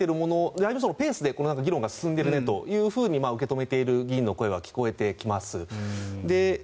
財務省のペースで議論が進んでいるねと受け止めている議員の方の声は聞こえてきます。